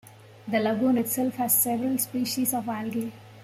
The lagoon itself has several species of algae.